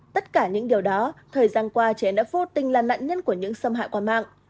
tất cả những điều đó thời gian qua trên đã vô tình là nạn nhân của những xâm hại qua mạng